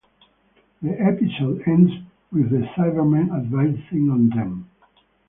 The episode ends with the Cybermen advancing on them.